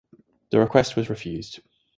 The request was refused.